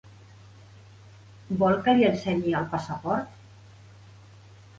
Vol que li ensenyi el passaport?